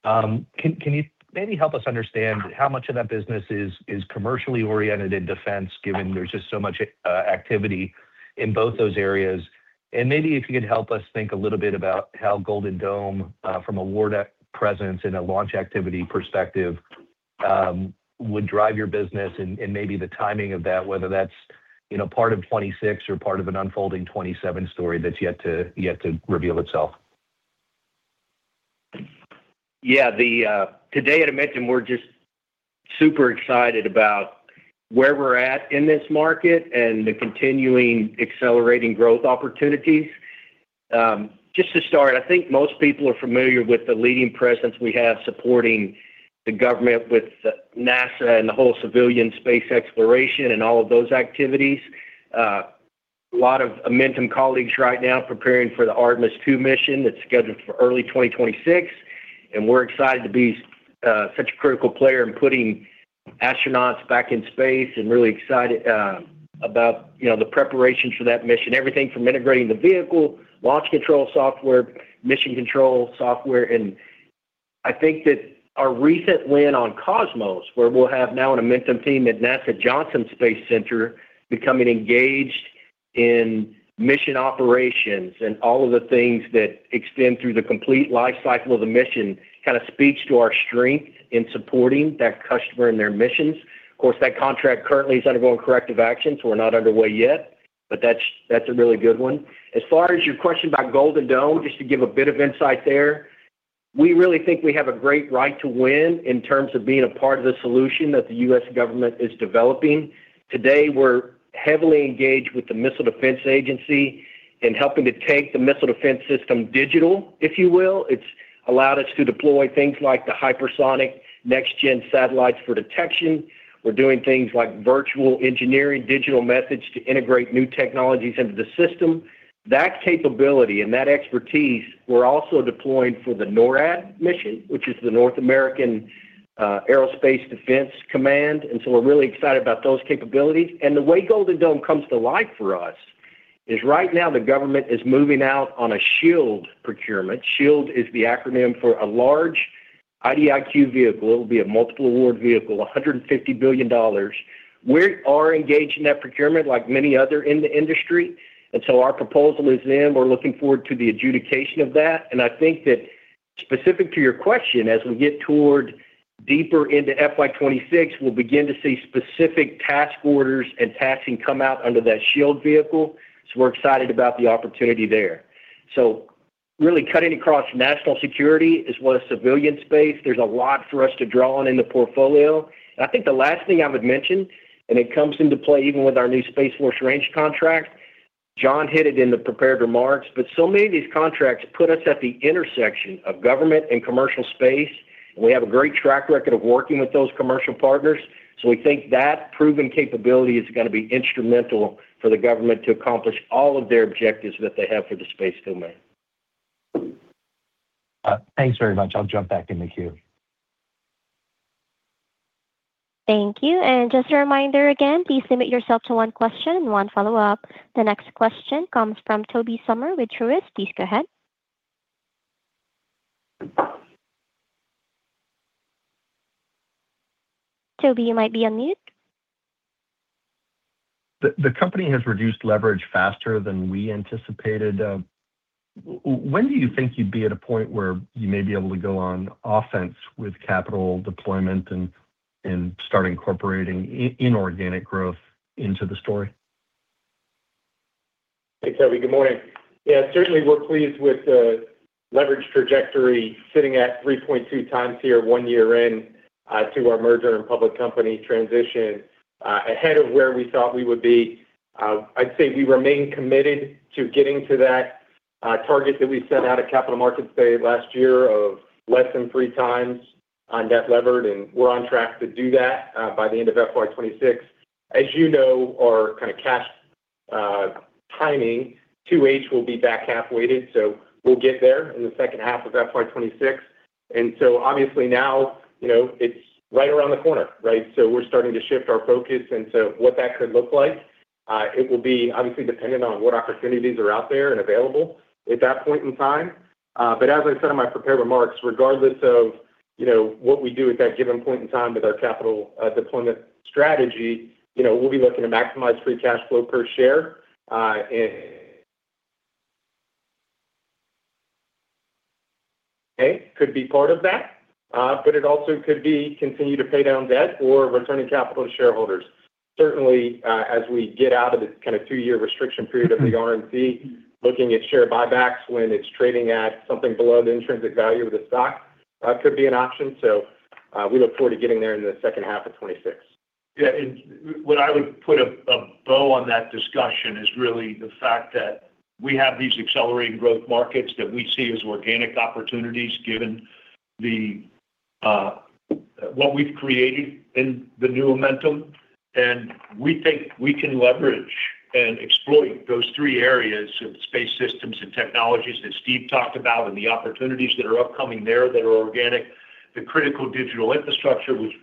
Can you maybe help us understand how much of that business is commercially oriented in defense, given there's just so much activity in both those areas? And maybe if you could help us think a little bit about how Golden Dome from a Wardett presence and a launch activity perspective would drive your business and maybe the timing of that, whether that's part of '26 or part of an unfolding '27 story that's yet to reveal itself. Yeah. Today at Amentum, we're just super excited about where we're at in this market and the continuing accelerating growth opportunities. Just to start, I think most people are familiar with the leading presence we have supporting the government with NASA and the whole civilian space exploration and all of those activities. A lot of Amentum colleagues right now preparing for the Artemis II mission that's scheduled for early 2026. And we're excited to be such a critical player in putting astronauts back in space and really excited about the preparations for that mission, everything from integrating the vehicle, launch control software, mission control software. And I think that our recent win on Cosmos, where we'll have now an Amentum team at NASA Johnson Space Center, becoming engaged in mission operations and all of the things that extend through the complete life cycle of the mission kind of speaks to our strength in supporting that customer and their missions. Of course, that contract currently is undergoing corrective action, so we're not underway yet. But that's a really good one. As far as your question about Golden Dome, just to give a bit of insight there, we really think we have a great right to win in terms of being a part of the solution that the U.S. government is developing. Today, we're heavily engaged with the Missile Defense Agency in helping to take the missile defense system digital, if you will. It's allowed us to deploy things like the hypersonic next-gen satellites for detection. We're doing things like virtual engineering, digital methods to integrate new technologies into the system. That capability and that expertise, we're also deploying for the NORAD mission, which is the North American Aerospace Defense Command. And so we're really excited about those capabilities. And the way Golden Dome comes to life for us is right now the government is moving out on a SHIELD procurement. SHIELD is the acronym for a large IDIQ vehicle. It will be a multiple award vehicle, $150 billion. We are engaged in that procurement like many other in the industry. And so our proposal is in. We're looking forward to the adjudication of that. And I think that specific to your question, as we get toward deeper into FY26, we'll begin to see specific task orders and tasking come out under that SHIELD vehicle. So we're excited about the opportunity there. So really cutting across national security as well as civilian space, there's a lot for us to draw on in the portfolio. And I think the last thing I would mention, and it comes into play even with our new Space Force range contract. John hit it in the prepared remarks. But so many of these contracts put us at the intersection of government and commercial space. And we have a great track record of working with those commercial partners. So we think that proven capability is going to be instrumental for the government to accomplish all of their objectives that they have for the space domain. Thanks very much. I'll jump back in the queue. Thank you. And just a reminder again, please limit yourself to one question and one follow-up. The next question comes from Tobey Summer with Truist. Please go ahead. Tobey, you might be on mute. The company has reduced leverage faster than we anticipated. When do you think you'd be at a point where you may be able to go on offense with capital deployment and start incorporating inorganic growth into the story? Hey, Tobey. Good morning. Yeah, certainly we're pleased with the leverage trajectory sitting at 3.2 times here one year into our merger and public company transition ahead of where we thought we would be. I'd say we remain committed to getting to that target that we set out at Capital Markets Day last year of less than three times on net leverage. And we're on track to do that by the end of FY26. As you know, our kind of cash timing, 2H will be back half-weighted. So we'll get there in the second half of FY26. And so obviously now it's right around the corner, right? So we're starting to shift our focus into what that could look like. It will be obviously dependent on what opportunities are out there and available at that point in time. But as I said in my prepared remarks, regardless of what we do at that given point in time with our capital deployment strategy, we'll be looking to maximize free cash flow per share. And it could be part of that. But it also could be continue to pay down debt or returning capital to shareholders. Certainly, as we get out of the kind of two-year restriction period of the R&D, looking at share buybacks when it's trading at something below the intrinsic value of the stock could be an option. So we look forward to getting there in the second half of '26. Yeah. And what I would put a bow on that discussion is really the fact that we have these accelerating growth markets that we see as organic opportunities given what we've created in the new Amentum. And we think we can leverage and exploit those three areas of space systems and technologies that Steve talked about and the opportunities that are upcoming there that are organic, the critical digital infrastructure, which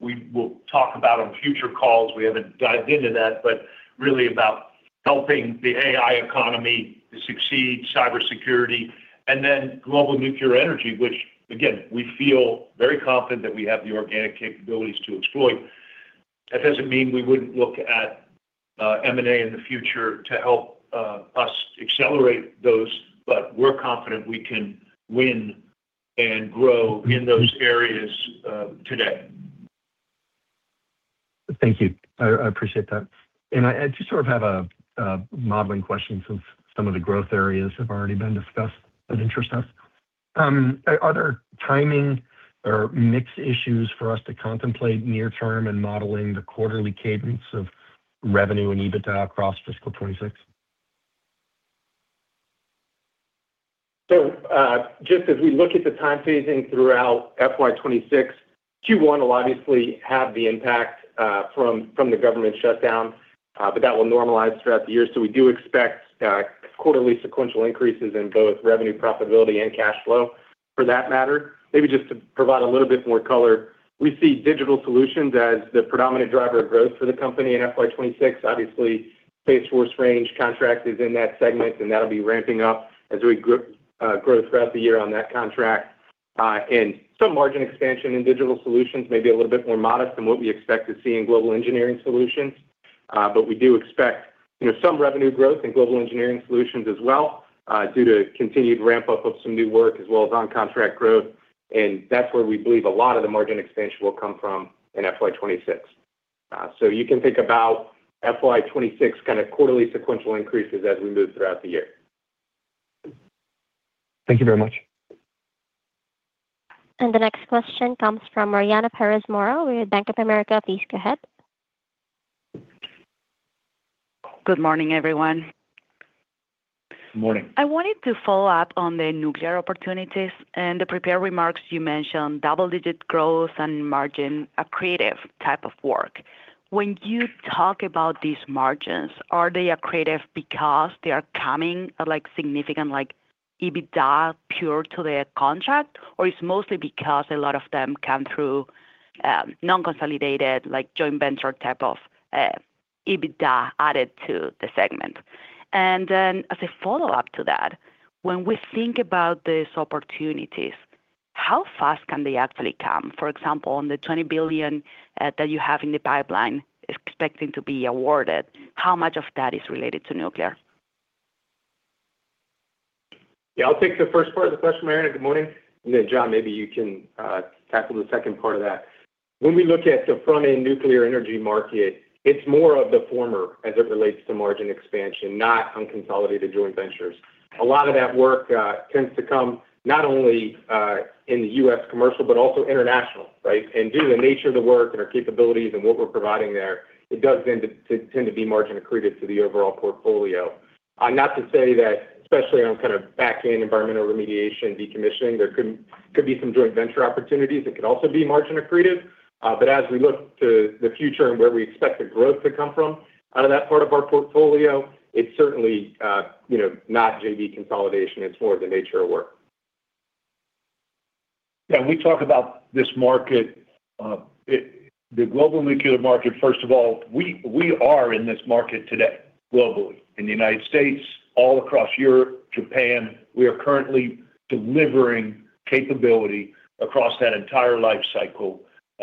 we will talk about on future calls. We haven't dived into that, but really about helping the AI economy to succeed, cybersecurity, and then global nuclear energy, which, again, we feel very confident that we have the organic capabilities to exploit. That doesn't mean we wouldn't look at M&A in the future to help us accelerate those. But we're confident we can win and grow in those areas today. Thank you. I appreciate that. And I just sort of have a modeling question since some of the growth areas have already been discussed that interest us. Are there timing or mixed issues for us to contemplate near-term and modeling the quarterly cadence of revenue and EBITDA across fiscal '26? So just as we look at the time phasing throughout FY26, Q1 will obviously have the impact from the government shutdown, but that will normalize throughout the year. So we do expect quarterly sequential increases in both revenue, profitability, and cash flow for that matter. Maybe just to provide a little bit more color, we see digital solutions as the predominant driver of growth for the company in FY26. Obviously, Space Force range contract is in that segment, and that'll be ramping up as we grow throughout the year on that contract. And some margin expansion in digital solutions, maybe a little bit more modest than what we expect to see in global engineering solutions. But we do expect some revenue growth in global engineering solutions as well due to continued ramp-up of some new work as well as on-contract growth. And that's where we believe a lot of the margin expansion will come from in FY26. So you can think about FY26 kind of quarterly sequential increases as we move throughout the year. Thank you very much. And the next question comes from Mariana Perez Morrow with Bank of America. Please go ahead. Good morning, everyone. Good morning. I wanted to follow up on the nuclear opportunities. In the prepared remarks, you mentioned double-digit growth and margin are creative type of work. When you talk about these margins, are they creative because they are coming significant like EBITDA pure to the contract, or it's mostly because a lot of them come through non-consolidated joint venture type of EBITDA added to the segment? And then as a follow-up to that, when we think about these opportunities, how fast can they actually come? For example, on the 20 billion that you have in the pipeline expecting to be awarded, how much of that is related to nuclear? Yeah. I'll take the first part of the question, Maria. Good morning. And then, John, maybe you can tackle the second part of that. When we look at the front-end nuclear energy market, it's more of the former as it relates to margin expansion, not unconsolidated joint ventures. A lot of that work tends to come not only in the U.S. commercial but also international, right? And due to the nature of the work and our capabilities and what we're providing there, it does tend to be margin accretive to the overall portfolio. Not to say that, especially on kind of back-end environmental remediation and decommissioning, there could be some joint venture opportunities that could also be margin accretive. But as we look to the future and where we expect the growth to come from out of that part of our portfolio, it's certainly not JV consolidation. It's more of the nature of work. Yeah, We talk about this market, the global nuclear market. First of all, we are in this market today globally in the United States, all across Europe, Japan. We are currently delivering capability across that entire life cycle.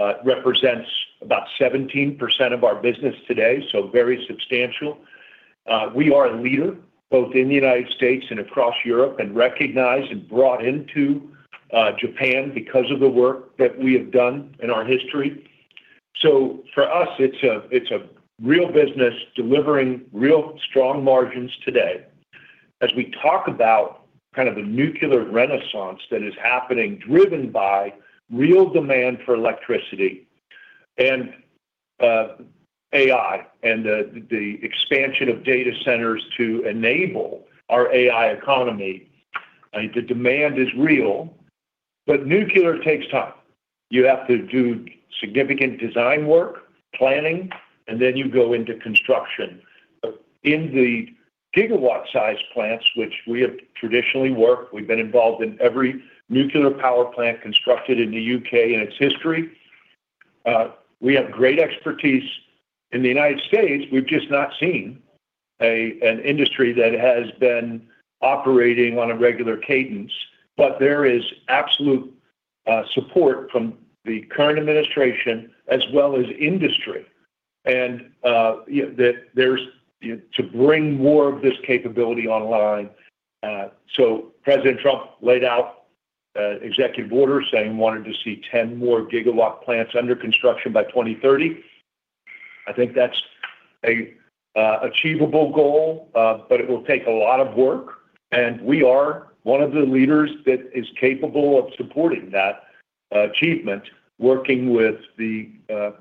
It represents about 17% of our business today, so very substantial. We are a leader both in the United States and across Europe and recognized and brought into Japan because of the work that we have done in our history. So for us, it's a real business delivering real strong margins today as we talk about kind of a nuclear renaissance that is happening driven by real demand for electricity and AI and the expansion of data centers to enable our AI economy. The demand is real, but nuclear takes time. You have to do significant design work, planning, and then you go into construction. In the gigawatt-sized plants, which we have traditionally worked, we've been involved in every nuclear power plant constructed in the UK in its history. We have great expertise in the United States. We've just not seen an industry that has been operating on a regular cadence, but there is absolute support from the current administration as well as industry and to bring more of this capability online. So President Trump laid out executive orders saying he wanted to see 10 more gigawatt plants under construction by 2030. I think that's an achievable goal, but it will take a lot of work. And we are one of the leaders that is capable of supporting that achievement, working with the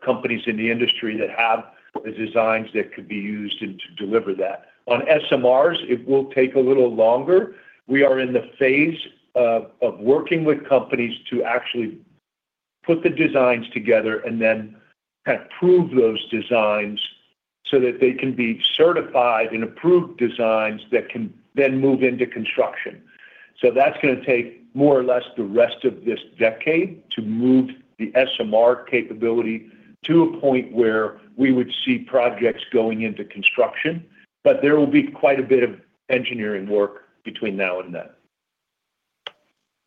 companies in the industry that have the designs that could be used and to deliver that. On SMRs, it will take a little longer. We are in the phase of working with companies to actually put the designs together and then kind of prove those designs so that they can be certified and approved designs that can then move into construction. So that's going to take more or less the rest of this decade to move the SMR capability to a point where we would see projects going into construction. But there will be quite a bit of engineering work between now and then.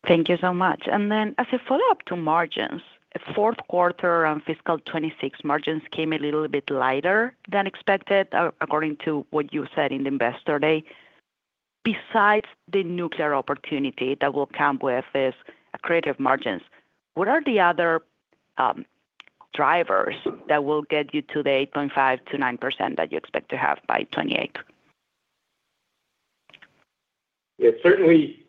Thank you so much. And then as a follow-up to margins, the fourth quarter on fiscal '26, margins came a little bit lighter than expected, according to what you said in the investor day. Besides the nuclear opportunity that will come with these creative margins, what are the other drivers that will get you to the 8.5%-9% that you expect to have by '28? Yeah, Certainly,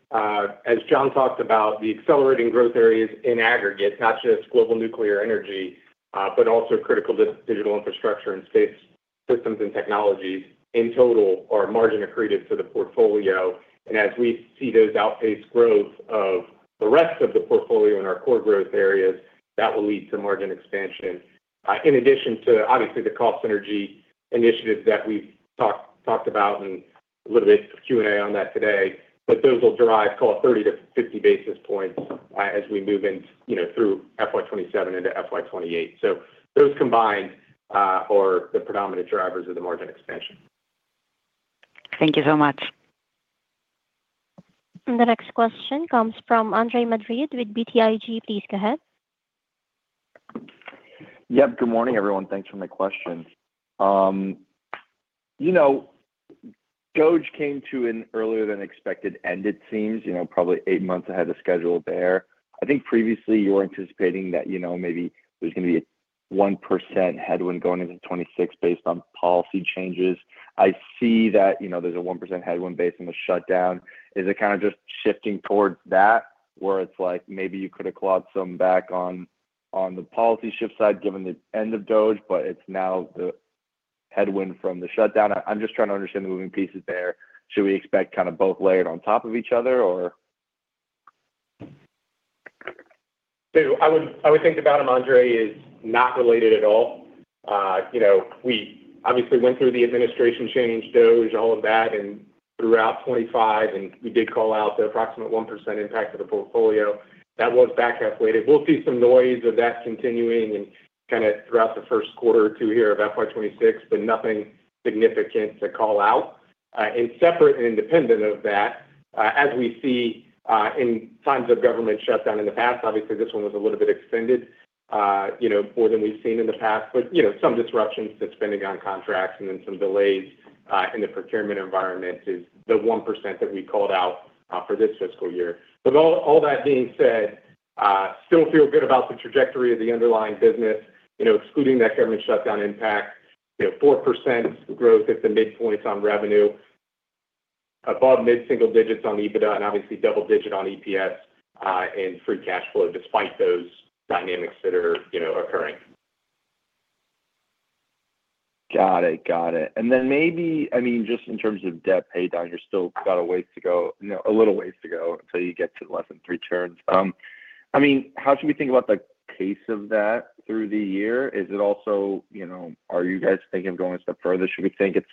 as John talked about, the accelerating growth areas in aggregate, not just global nuclear energy, but also critical digital infrastructure and space systems and technologies in total are margin accretive to the portfolio. And as we see those outpace growth of the rest of the portfolio and our core growth areas, that will lead to margin expansion. In addition to, obviously, the cost energy initiatives that we've talked about and a little bit of Q&A on that today, but those will drive call it 30 to 50 basis points as we move through FY27 into FY28. So those combined are the predominant drivers of the margin expansion. Thank you so much. And the next question comes from Andre Madrid with BTIG. Please go ahead. Yep. Good morning, everyone. Thanks for my question. DOGE came to an earlier than expected end, it seems, probably eight months ahead of schedule there, I think previously you were anticipating that maybe there's going to be a 1% headwind going into '26 based on policy changes. I see that there's a 1% headwind based on the shutdown. Is it kind of just shifting towards that where it's like maybe you could have clawed some back on the policy shift side given the end of DOGE, but it's now the headwind from the shutdown? I'm just trying to understand the moving pieces there. Should we expect kind of both layered on top of each other, or? So I would think the bottom Andre is not related at all. We obviously went through the administration change, DOGE, all of that, and throughout '25, and we did call out the approximate 1% impact of the portfolio. That was back half-weighted. We'll see some noise of that continuing and kind of throughout the first quarter or two here of FY26, but nothing significant to call out. And separate and independent of that, as we see in times of government shutdown in the past, obviously, this one was a little bit extended more than we've seen in the past, but some disruptions to spending on contracts and then some delays in the procurement environment is the 1% that we called out for this fiscal year. But all that being said, still feel good about the trajectory of the underlying business, excluding that government shutdown impact, 4% growth at the midpoint on revenue, above mid-single digits on EBITDA, and obviously double-digit on EPS and free cash flow despite those dynamics that are occurring. Got it. Got it. And then maybe, I mean, just in terms of debt paydown, you've still got a ways to go, a little ways to go until you get to less than three turns. I mean, how should we think about the pace of that through the year? Is it also, are you guys thinking of going a step further? Should we think it's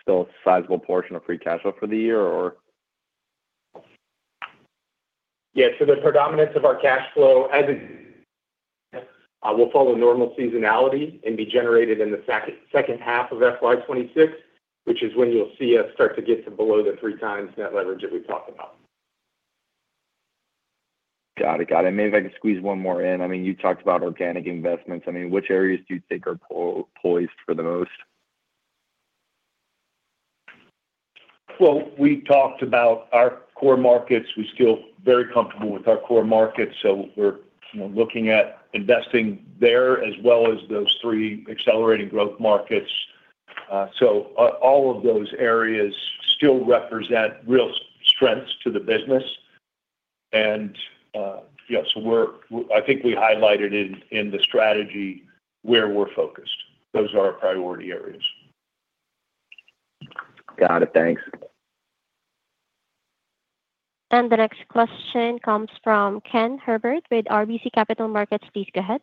still a sizable portion of free cash flow for the year, or? Yeah. So the predominance of our cash flow as it will follow normal seasonality and be generated in the second half of FY26, which is when you'll see us start to get to below the three times net leverage that we've talked about. Got it. Got it. And maybe if I could squeeze one more in. I mean, you talked about organic investments. I mean, which areas do you think are poised for the most? Well, we talked about our core markets. We're still very comfortable with our core markets. So we're looking at investing there as well as those three accelerating growth markets. So all of those areas still represent real strengths to the business. And so I think we highlighted in the strategy where we're focused. Those are our priority areas. Got it. Thanks. And the next question comes from Ken Herbert with RBC Capital Markets. Please go ahead.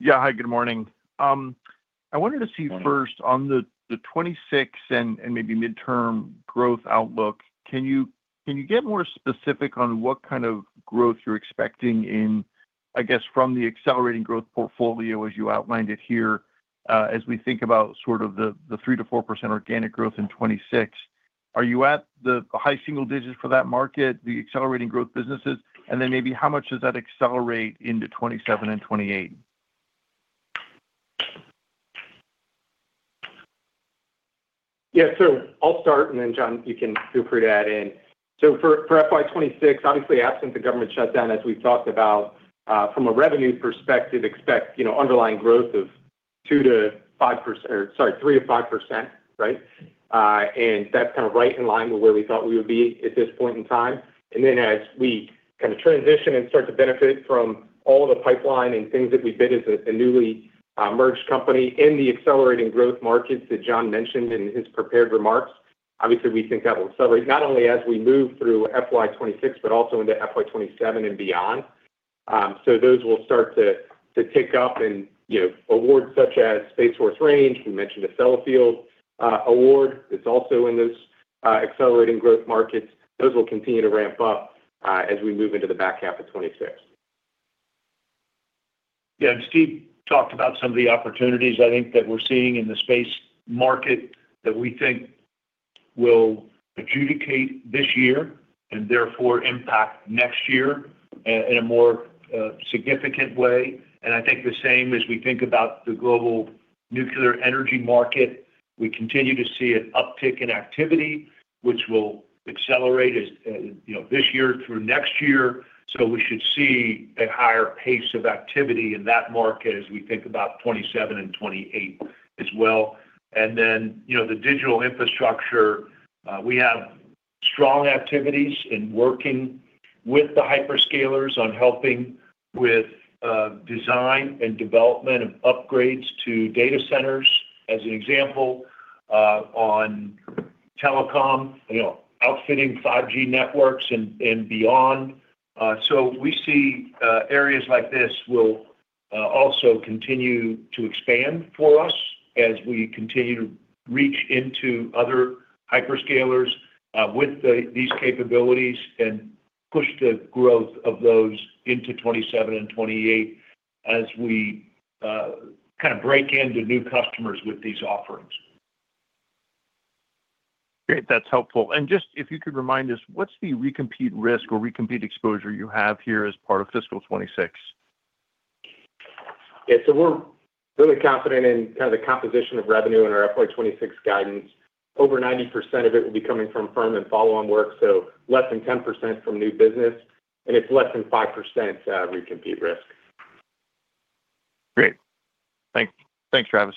Yeah. Hi. Good morning. I wanted to see first on the '26 and maybe midterm growth outlook, can you get more specific on what kind of growth you're expecting in, I guess, from the accelerating growth portfolio as you outlined it here as we think about sort of the 3%-4% organic growth in '26? Are you at the high single digits for that market, the accelerating growth businesses? And then maybe how much does that accelerate into '27 and '28? Yeah. So I'll start, and then, John, you can feel free to add in. So for FY26, obviously, absent the government shutdown, as we talked about, from a revenue perspective, expect underlying growth of 2%-5% or, sorry, 3%-5%, right? And that's kind of right in line with where we thought we would be at this point in time. And then as we kind of transition and start to benefit from all the pipeline and things that we bid as a newly merged company in the accelerating growth markets that John mentioned in his prepared remarks, obviously, we think that will accelerate not only as we move through FY26, but also into FY27 and beyond. So those will start to tick up. And awards such as Space Force Range, we mentioned a Stellafield award that's also in those accelerating growth markets, those will continue to ramp up as we move into the back half of '26. Yeah. And Steve talked about some of the opportunities, I think, that we're seeing in the space market that we think will adjudicate this year and therefore impact next year in a more significant way. And I think the same as we think about the global nuclear energy market, we continue to see an uptick in activity, which will accelerate this year through next year. So we should see a higher pace of activity in that market as we think about '27 and '28 as well. And then the digital infrastructure, we have strong activities in working with the hyperscalers on helping with design and development of upgrades to data centers as an example on telecom, outfitting 5G networks and beyond. So we see areas like this will also continue to expand for us as we continue to reach into other hyperscalers with these capabilities and push the growth of those into '27 and '28 as we kind of break into new customers with these offerings. Great. That's helpful. And just if you could remind us, what's the recompete risk or recompete exposure you have here as part of fiscal '26? Yeah. So we're really confident in kind of the composition of revenue in our FY26 guidance. Over 90% of it will be coming from firm and follow-on work, so less than 10% from new business. And it's less than 5% recompete risk. Great. Thanks, Thanks, Travis.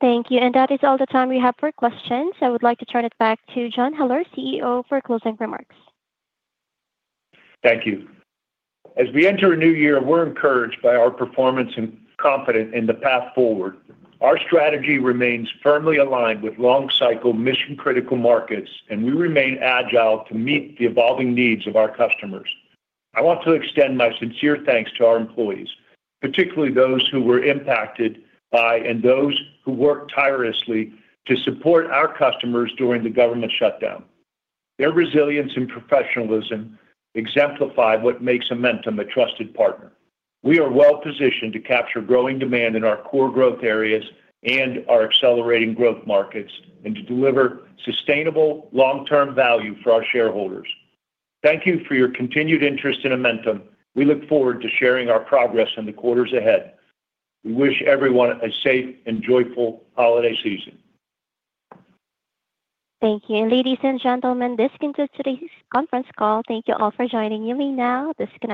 Thank you. And that is all the time we have for questions. I would like to turn it back to John Heller, CEO, for closing remarks. Thank you. As we enter a new year, we're encouraged by our performance and confident in the path forward. Our strategy remains firmly aligned with long-cycle mission-critical markets, and we remain agile to meet the evolving needs of our customers. I want to extend my sincere thanks to our employees, particularly those who were impacted by and those who worked tirelessly to support our customers during the government shutdown. Their resilience and professionalism exemplify what makes Amentum a trusted partner. We are well-positioned to capture growing demand in our core growth areas and our accelerating growth markets and to deliver sustainable long-term value for our shareholders. Thank you for your continued interest in Amentum. We look forward to sharing our progress in the quarters ahead. We wish everyone a safe and joyful holiday season. Thank you. Ladies and gentlemen, this concludes today's Conference Call. Thank you all for joining me. Now, disconnect.